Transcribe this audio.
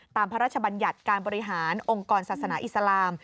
พระราชบัญญัติการบริหารองค์กรศาสนาอิสลาม